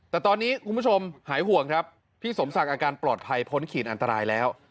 แต่ตอนนี้คุณผู้ชมหายห่วงครับพี่สมศักดิ์อาการปลอดภัยพ้นขีดอันตรายแล้ว